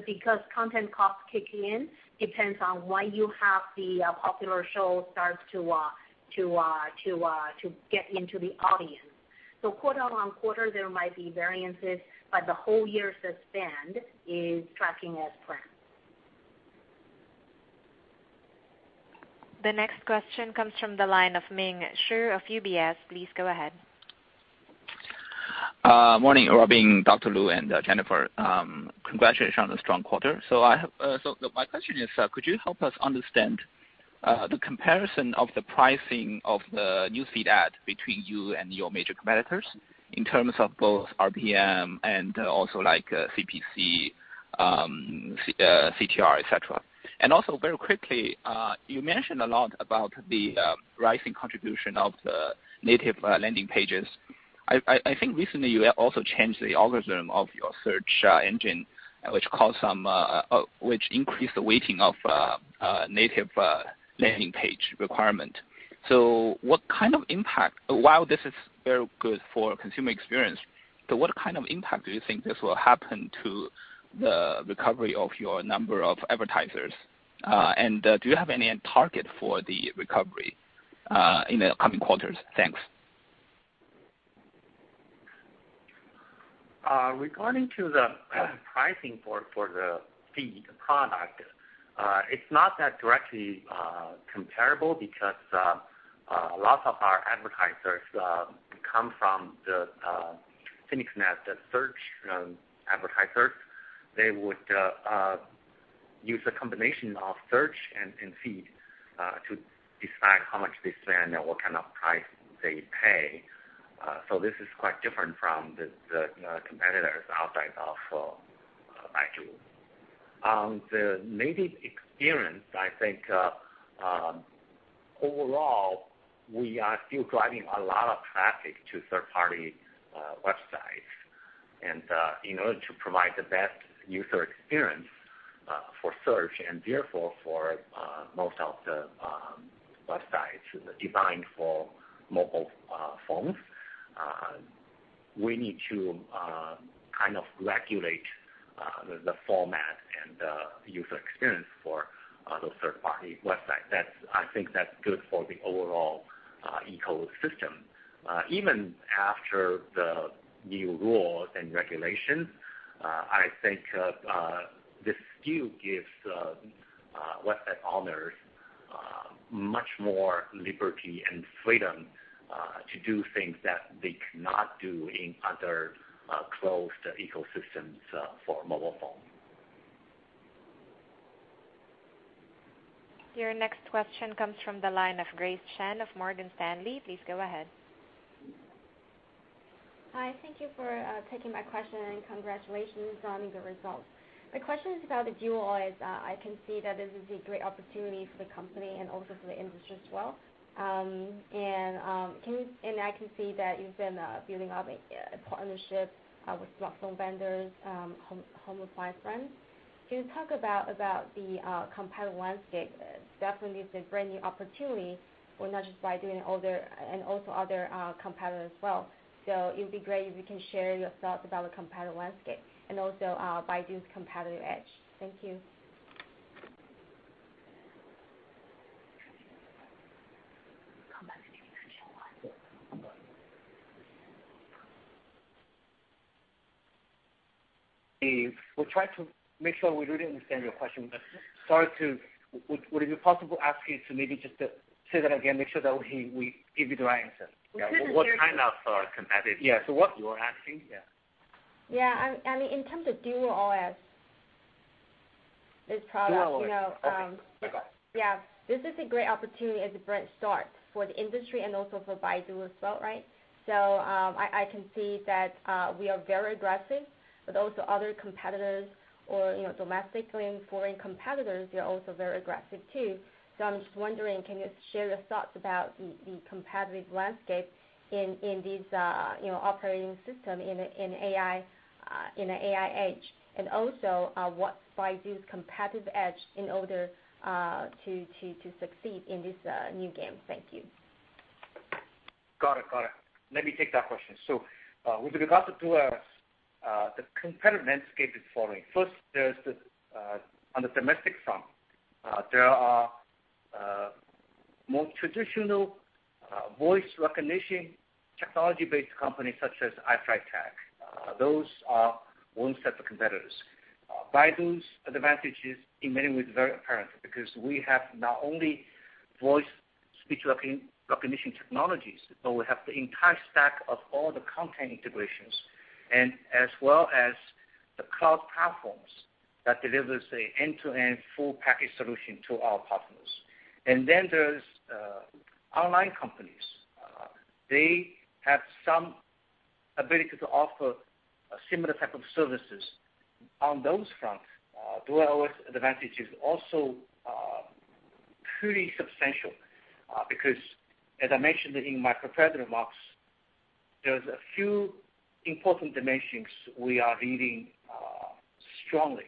because content costs kick in, depends on when you have the popular show starts to get into the audience. Quarter-on-quarter, there might be variances, but the whole year's spend is tracking as planned. The next question comes from the line of Ming Xu of UBS. Please go ahead. Morning, Robin Li, Dr. Lu, and Jennifer Li. Congratulations on the strong quarter. My question is, could you help us understand the comparison of the pricing of the Newsfeed ad between you and your major competitors in terms of both RPM and CPC, CTR, et cetera? Very quickly, you mentioned a lot about the rising contribution of the native landing pages. I think recently you also changed the algorithm of your search engine, which increased the weighting of native landing page requirement. While this is very good for consumer experience, what kind of impact do you think this will happen to the recovery of your number of advertisers? Do you have any target for the recovery in the coming quarters? Thanks. Regarding to the pricing for the feed product, it's not that directly comparable because lots of our advertisers come from the Phoenix Nest, the search advertisers. They would use a combination of search and feed to decide how much they spend and what kind of price they pay. This is quite different from the competitors outside of Baidu. On the native experience, I think overall, we are still driving a lot of traffic to third-party websites. In order to provide the best user experience for search, and therefore for most of the websites designed for mobile phones, we need to regulate the format and the user experience for those third-party websites. I think that's good for the overall ecosystem. Even after the new rules and regulations, I think this still gives website owners much more liberty and freedom to do things that they could not do in other closed ecosystems for mobile phone. Your next question comes from the line of Grace Chen of Morgan Stanley. Please go ahead. Hi. Thank you for taking my question, and congratulations on the results. My question is about the DuerOS. I can see that this is a great opportunity for the company and also for the industry as well. I can see that you've been building up a partnership with smartphone vendors, home appliance brands. Can you talk about the competitive landscape? Definitely it's a brand new opportunity for not just Baidu and also other competitors as well. It'd be great if you can share your thoughts about the competitive landscape and also Baidu's competitive edge. Thank you. Competitive landscape. We'll try to make sure we really understand your question, but Would it be possible ask you to maybe just say that again, make sure that we give you the right answer. What kind of competitive Yeah. What you are asking? Yeah. Yeah. In terms of DuerOS. DuerOS. Okay. I got it. Yeah. This is a great opportunity as a brand start for the industry and also for Baidu as well, right? I can see that we are very aggressive, but also other competitors or domestically and foreign competitors, they are also very aggressive too. I'm just wondering, can you share your thoughts about the competitive landscape in this operating system in AI age, and also what Baidu's competitive edge in order to succeed in this new game. Thank you. Got it. Let me take that question. With regards to the competitive landscape is forming. First, on the domestic front, there are more traditional voice recognition technology-based companies such as iFlytek. Those are one set of competitors. Baidu's advantage is, in many ways, very apparent because we have not only voice speech recognition technologies, but we have the entire stack of all the content integrations, and as well as the cloud platforms that delivers an end-to-end full package solution to our partners. Then there's online companies. They have some ability to offer similar type of services. On those fronts, DuerOS advantage is also pretty substantial, because as I mentioned in my prepared remarks, there's a few important dimensions we are leading strongly.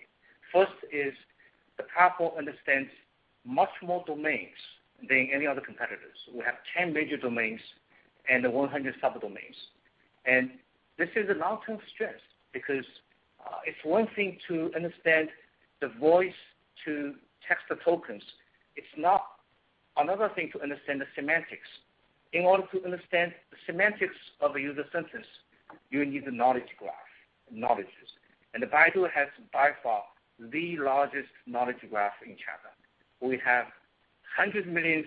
First is the platform understands much more domains than any other competitors. We have 10 major domains and 100 sub-domains. This is a long-term strength because it's one thing to understand the voice-to-text tokens. It's another thing to understand the semantics. In order to understand the semantics of the user sentence, you need the knowledge graph knowledge. Baidu has by far the largest knowledge graph in China. We have 100 million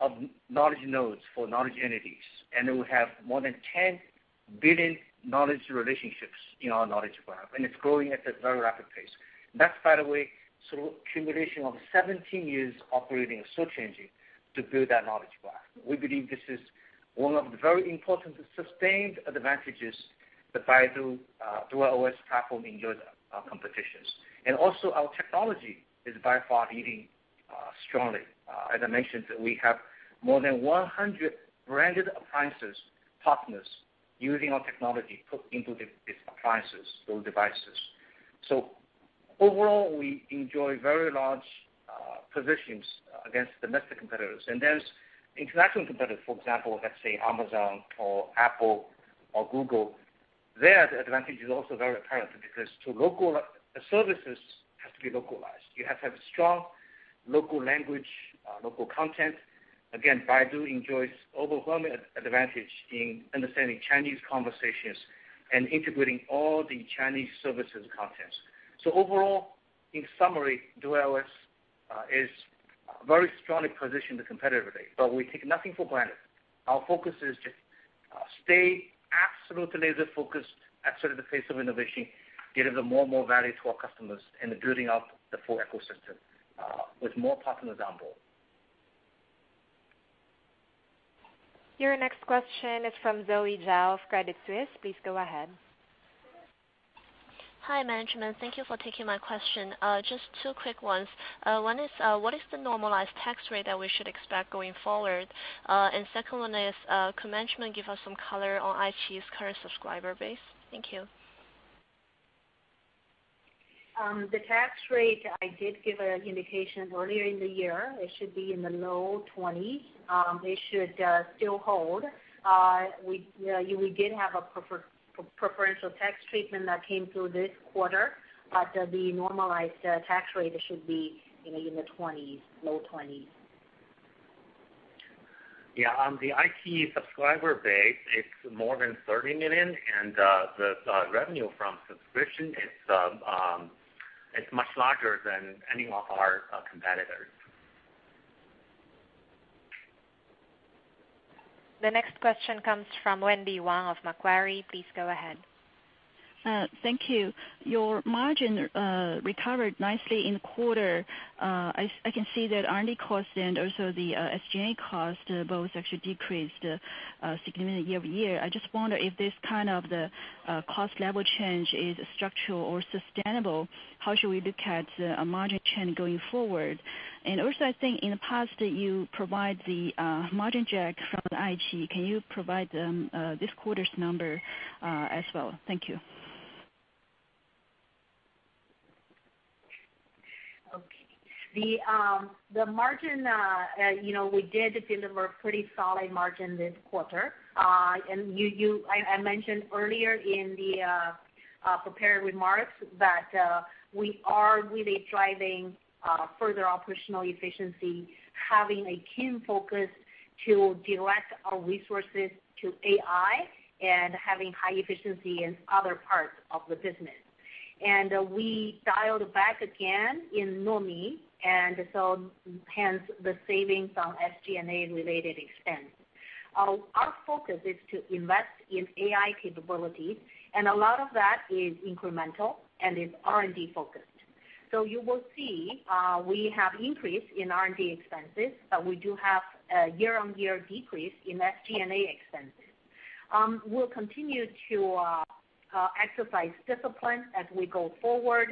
of knowledge nodes for knowledge entities, then we have more than 10 billion knowledge relationships in our knowledge graph, and it's growing at a very rapid pace. That's by the way, sort of accumulation of 17 years operating a search engine to build that knowledge graph. We believe this is one of the very important sustained advantages that Baidu DuerOS platform enjoys competitions. Also our technology is by far leading strongly. As I mentioned, we have more than 100 branded appliances partners using our technology put into these appliances, those devices. Overall, we enjoy very large positions against domestic competitors. There's international competitors, for example, let's say Amazon or Apple or Google. There, the advantage is also very apparent because services have to be localized. You have to have strong local language, local content. Again, Baidu enjoys overwhelming advantage in understanding Chinese conversations and integrating all the Chinese services contents. Overall, in summary, DuerOS is very strongly positioned competitively, but we take nothing for granted. Our focus is to stay absolutely laser focused at sort of the face of innovation, deliver more and more value to our customers in the building out the full ecosystem with more partners on board. Your next question is from Zoe Zhao of Credit Suisse. Please go ahead. Hi, management. Thank you for taking my question. Just two quick ones. One is, what is the normalized tax rate that we should expect going forward? Second one is, can management give us some color on iQIYI's current subscriber base? Thank you. The tax rate, I did give an indication earlier in the year. It should be in the low 20s. It should still hold. We did have a preferential tax treatment that came through this quarter, but the normalized tax rate should be in the 20s, low 20s. Yeah. On the iQIYI subscriber base, it's more than 30 million, and the revenue from subscription, it's much larger than any of our competitors. The next question comes from Wendy Wang of Macquarie. Please go ahead. Thank you. Your margin recovered nicely in quarter. I can see that R&D cost and also the SG&A cost both actually decreased significantly year-over-year. I just wonder if this kind of the cost level change is structural or sustainable. How should we look at margin trend going forward? Also I think in the past you provide the margin drag from the iQIYI. Can you provide this quarter's number as well? Thank you. The margin, we did deliver pretty solid margin this quarter. I mentioned earlier in the prepared remarks that we are really driving further operational efficiency, having a keen focus to direct our resources to AI and having high efficiency in other parts of the business. We dialed back again in Nuomi and so hence the savings on SG&A-related expense. Our focus is to invest in AI capabilities, a lot of that is incremental and is R&D focused. You will see we have increase in R&D expenses, but we do have a year-on-year decrease in SG&A expenses. We'll continue to exercise discipline as we go forward.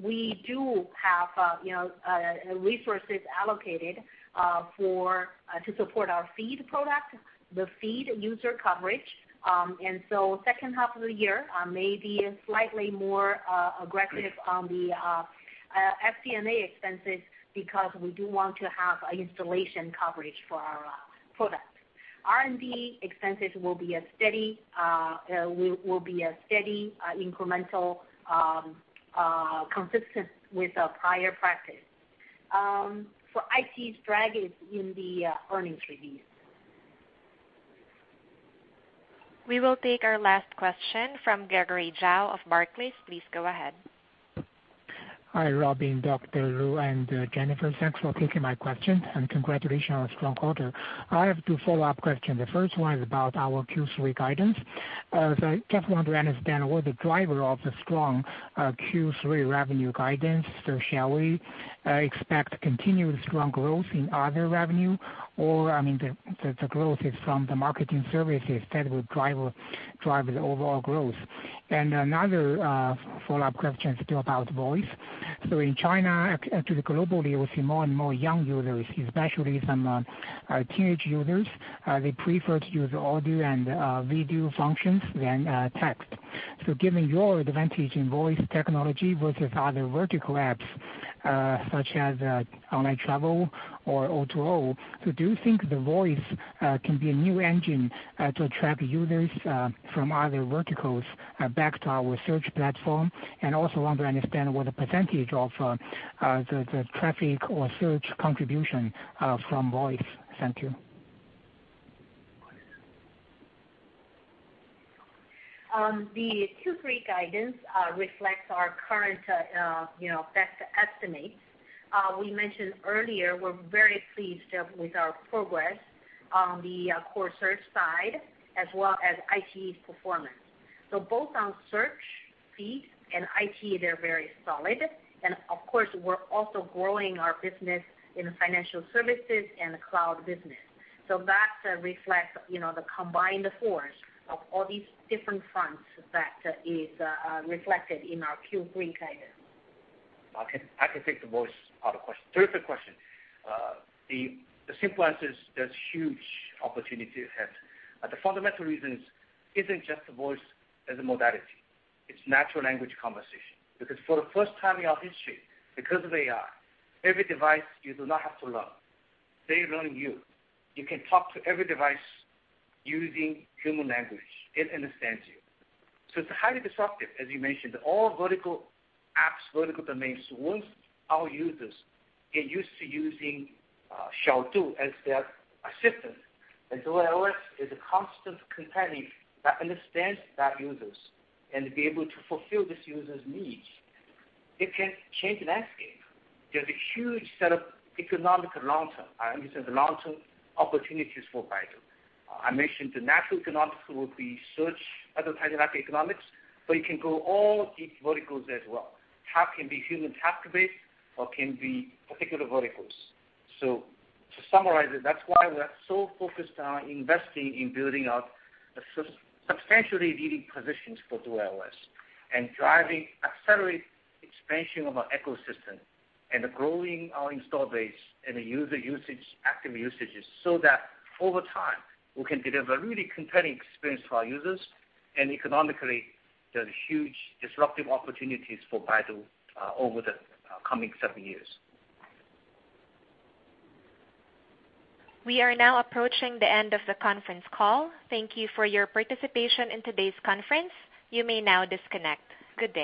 We do have resources allocated to support our feed product, the feed user coverage. Second half of the year may be slightly more aggressive on the SG&A expenses because we do want to have installation coverage for our product. R&D expenses will be a steady incremental consistent with our prior practice. I see drags in the earnings release. We will take our last question from Gregory Zhao of Barclays. Please go ahead. Hi, Robin, Dr. Lu, and Jennifer. Thanks for taking my question and congratulations on a strong quarter. I have two follow-up questions. The first one is about our Q3 guidance. Just want to understand what the driver of the strong Q3 revenue guidance. Shall we expect continued strong growth in other revenue, or, I mean, the growth is from the marketing services that will drive the overall growth? Another follow-up question still about voice. In China, actually globally, we see more and more young users, especially some teenage users. They prefer to use audio and video functions than text. Given your advantage in voice technology versus other vertical apps, such as online travel or O2O, do you think the voice can be a new engine to attract users from other verticals back to our search platform? Also want to understand what the percentage of the traffic or search contribution from voice. Thank you. The Q3 guidance reflects our current best estimates. We mentioned earlier we're very pleased with our progress on the core search side as well as iQIYI performance. Both on search, feed, and iQIYI, they're very solid. Of course, we're also growing our business in financial services and the cloud business. That reflects the combined force of all these different fronts that is reflected in our Q3 guidance. I can take the voice part of the question. Terrific question. The simple answer is there's huge opportunity ahead. The fundamental reason is not just the voice as a modality, it's natural language conversation. For the first time in our history, because of AI, every device you do not have to learn. They learn you. You can talk to every device using human language. It understands you. It's highly disruptive, as you mentioned, all vertical apps, vertical domains. Once our users get used to using Xiaodu as their assistant, and DuerOS is a constant companion that understands the users and be able to fulfill this user's needs, it can change the landscape. There's a huge set of economic long term. I understand the long-term opportunities for Baidu. I mentioned the natural economics will be search advertising economics, but it can go all these verticals as well. Half can be human traffic base or can be particular verticals. To summarize it, that's why we're so focused on investing in building out a substantially leading positions for DuerOS and driving accelerated expansion of our ecosystem and growing our install base and the user active usages so that over time, we can deliver really compelling experience for our users, and economically, there's huge disruptive opportunities for Baidu over the coming several years. We are now approaching the end of the conference call. Thank you for your participation in today's conference. You may now disconnect. Good day.